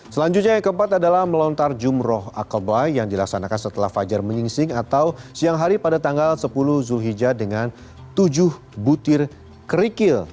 selanjutnya yang keempat adalah melontar jumroh akobah yang dilaksanakan setelah fajar menyingsing atau siang hari pada tanggal sepuluh zulhijjah dengan tujuh butir kerikil